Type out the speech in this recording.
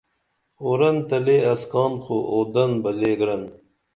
اُورن تہ لے اسکان خو اُودن بہ لے گرن